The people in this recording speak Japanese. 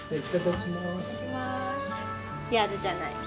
やるじゃない。